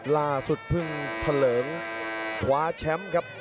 ลาสุดพึ่งทะเลิงขวาแชมป์ครับ